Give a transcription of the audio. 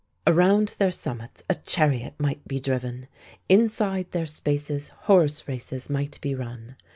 Around their summits a chariot might be driven, inside their spaces horse races might be run.